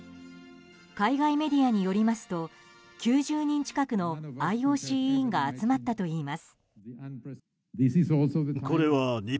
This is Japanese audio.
海外メディアによりますと９０人近くのＩＯＣ委員が集まったといいます。